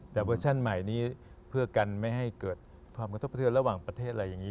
แต่เวอร์ชั่นใหม่นี้เพื่อกันไม่ให้เกิดความกระทบกระเทือนระหว่างประเทศอะไรอย่างนี้